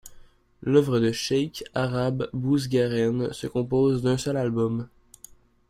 L'œuvre de Cheikh Arab Bouzgarene se compose d'un seul album.